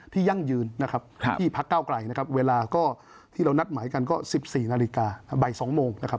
ที่ยั่งยืนที่พระเก้าไกรเวลาที่เรานัดหมายกันก็๑๔นาฬิกาใบ๒โมง